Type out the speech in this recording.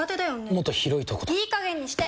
もっと広いところとかいい加減にして！